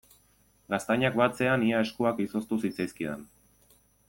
Gaztainak batzean ia eskuak izoztu zitzaizkidan.